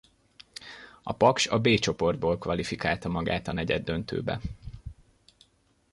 A Paks a B csoportból kvalifikálta magát a negyeddöntőbe.